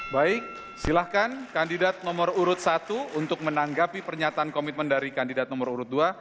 baik silahkan kandidat nomor urut satu untuk menanggapi pernyataan komitmen dari kandidat nomor urut dua